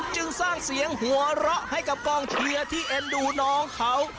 จึงสร้างเสียงหัวเราะให้กับกองเชียร์ที่เอ็นดูน้องเขา